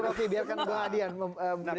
bu rocky biarkan bu hadian menerikan